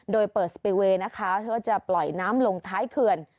โดยเปิดสปิลเวย์นะคะเพื่อจะปล่อยน้ำลงท้ายเขื่อน